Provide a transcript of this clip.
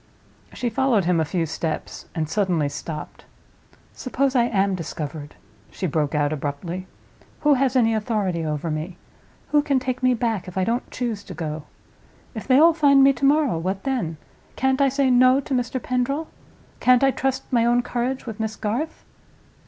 She followed him a few steps, and suddenly stopped. "Suppose I am discovered?" she broke out, abruptly. "Who has any authority over me? Who can take me back, if I don't choose to go? If they all find me to morrow, what then? Can't I say No to Mr. Pendril? Can't I trust my own courage with Miss Garth?"